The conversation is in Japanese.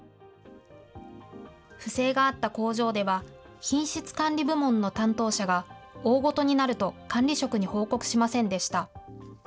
不正があった工場では、品質管理部門の担当者が、大ごとになると管理職に報告しませんでした。